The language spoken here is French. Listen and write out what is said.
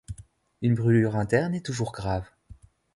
Une brûlure interne est toujours grave.